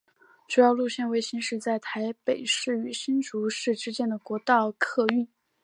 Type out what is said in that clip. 主要路线为行驶在台北市与新竹市间的国道客运。